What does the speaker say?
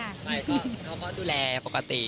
ไม่เขาก็ดูแลปกติ